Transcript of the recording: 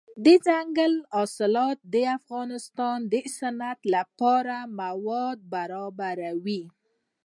دځنګل حاصلات د افغانستان د صنعت لپاره مواد برابروي.